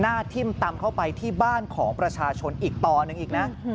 ทิ่มตำเข้าไปที่บ้านของประชาชนอีกต่อหนึ่งอีกนะ